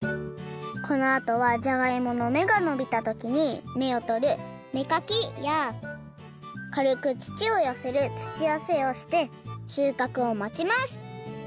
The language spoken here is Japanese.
このあとはじゃがいものめがのびた時にめをとるめかきやかるく土をよせる土よせをしてしゅうかくをまちます。